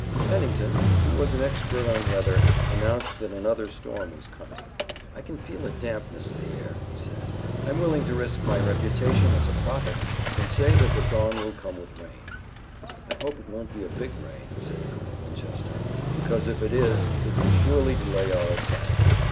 Pennington, who was an expert on weather, announced that another storm was coming. "I can feel a dampness in the air," he said. "I'm willing to risk my reputation as a prophet and say that the dawn will come with rain." "I hope it won't be a big rain," said Colonel Winchester, "because if it is it will surely delay our attack.